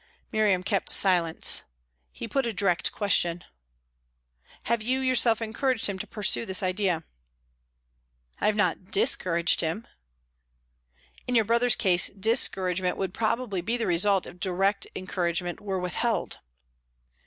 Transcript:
Miriam kept silence. He put a direct question. "Have you yourself encouraged him to pursue this idea?" "I have not _dis_couraged him." "In your brother's case, discouragement would probably be the result if direct encouragement were withheld."